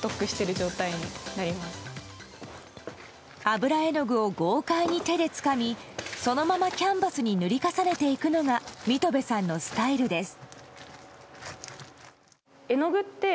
油絵の具を豪快に手でつかみそのままキャンバスに塗り重ねていくのが水戸部さんのスタイルです。